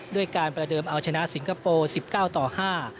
ด้วยการประเดิมเอาชนะสิงคโปร์๑๙๕